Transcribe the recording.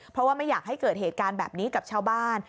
เพราะว่าไม่อยากให้เกิดเหตุการณ์แบบนี้กับชาวบ้าน